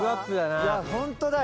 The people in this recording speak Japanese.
いやホントだよ。